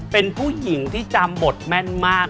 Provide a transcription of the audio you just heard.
เป็นผู้หญิงที่จำบทแม่นมาก